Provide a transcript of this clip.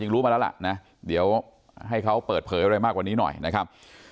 รู้มาแล้วล่ะนะเดี๋ยวให้เขาเปิดเผยอะไรมากกว่านี้หน่อยนะครับ